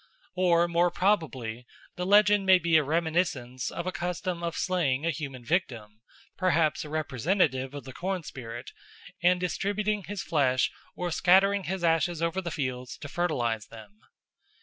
Or more probably the legend may be a reminiscence of a custom of slaying a human victim, perhaps a representative of the corn spirit, and distributing his flesh or scattering his ashes over the fields to fertilise them.